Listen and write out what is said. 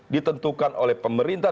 ditentukan oleh pemerintah